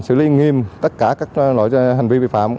xử lý nghiêm tất cả các loại hành vi vi phạm